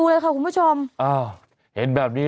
วันนี้จะเป็นวันนี้